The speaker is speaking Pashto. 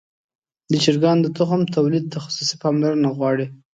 د چرګانو د تخم تولید تخصصي پاملرنه غواړي.